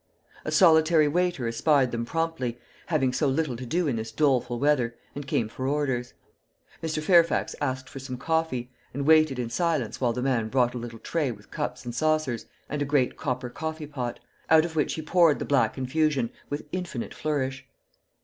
A solitary waiter espied them promptly, having so little to do in this doleful weather, and came for orders. Mr. Fairfax asked for some coffee, and waited in silence while the man brought a little tray with cups and saucers and a great copper coffee pot, out of which he poured the black infusion with infinite flourish.